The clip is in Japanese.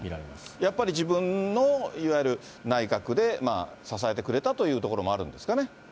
やっぱり自分の、いわゆる内閣で、支えてくれたというところもあるんですかね。